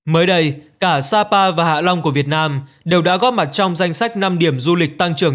mới đây cả sapa và hạ long của việt nam đều đã góp mặt trong danh sách năm điểm du lịch tăng trưởng